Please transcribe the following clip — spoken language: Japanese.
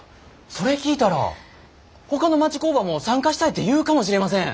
それ聞いたらほかの町工場も参加したいて言うかもしれません。